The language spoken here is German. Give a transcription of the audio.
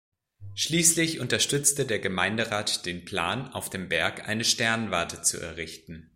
Schließlich unterstützte der Gemeinderat den Plan, auf dem Berg eine Sternwarte zu errichten.